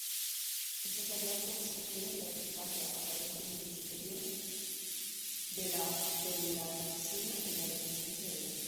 Estos hallazgos sugieren la eficacia aparentemente superior de la venlafaxina en la depresión severa.